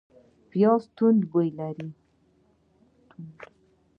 پیاز توند بوی لري